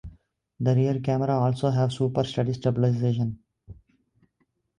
The rear cameras also have Super Steady stabilization.